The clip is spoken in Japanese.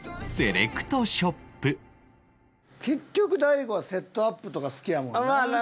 結局大悟はセットアップとか好きやもんな。